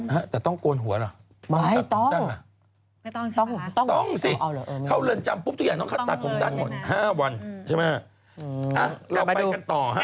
แต่ต้องโกนหัวเหรอไม่ต้องต้องสิเขาเริ่นจำปุ๊บทุกอย่างต้องตัดของสารหมด๕วันใช่ไหมฮะ